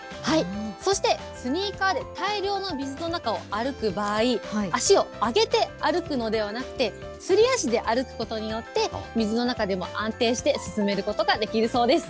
そして、スニーカーで、大量の水の中を歩く場合、足を上げて歩くのではなくて、すり足で歩くことによって、水の中でも安定して進めることができるそうです。